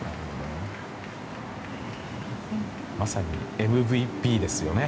まさにＭＶＰですよね。